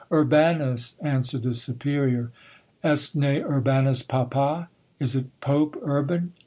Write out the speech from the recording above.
"Urbanus," answered the superior. "Est ne Urbanus papa" (Is it Pope Urban?)